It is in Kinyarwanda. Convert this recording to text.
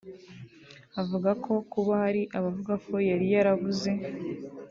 " Avuga ko kuba hari abavuga ko yari yarabuze